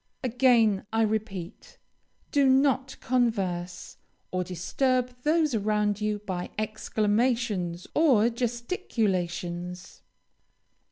Again, I repeat, do not converse, or disturb those around you by exclamations or gesticulations.